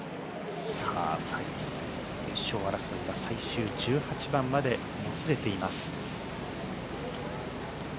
優勝争いは最終１８番までもつれています。